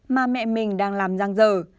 mà mẹ mình đang làm răng rờ